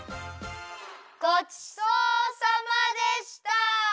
ごちそうさまでした！